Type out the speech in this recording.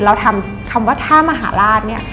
เราทำคำว่าถ้ามหาราช